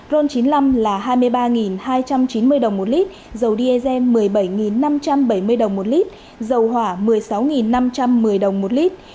ron chín mươi năm là hai mươi ba hai trăm chín mươi đồng một lít dầu diesel một mươi bảy năm trăm bảy mươi đồng một lít dầu hỏa một mươi sáu năm trăm một mươi đồng một lít